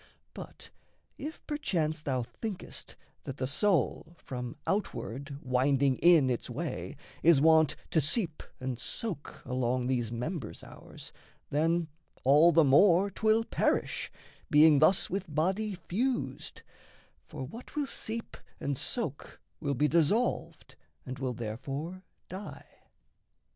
But, if perchance thou thinkest that the soul, From outward winding in its way, is wont To seep and soak along these members ours, Then all the more 'twill perish, being thus With body fused for what will seep and soak Will be dissolved and will therefore die.